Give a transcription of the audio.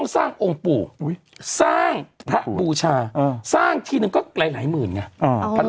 สร้างพระบูชาสร้างทีนึงก็หลายหมื่นไง